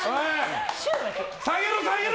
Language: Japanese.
下げろ下げろ！